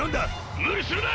無理するな！